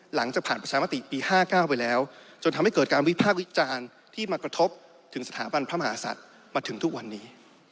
หลังจากผ่านประชามติปี๕๙ไปแล้วจนทำให้เกิดการวิพากษ์วิจารณ์ที่มากระทบถึงสถาบันพระมหาศัตริย์มาถึงทุกวันนี้